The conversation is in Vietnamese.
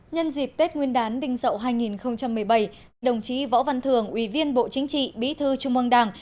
nhân dịp tết nguyên đán đinh dậu hai nghìn một mươi bảy đồng chí võ văn thường ủy viên bộ chính trị bí thư trung ương đảng